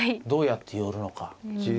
どうやって寄るのか。